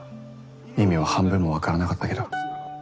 意味は半分もわからなかったけど。